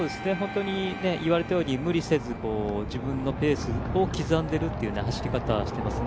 言われたように無理せず自分のペースを刻んでいるという走り方をしていますね。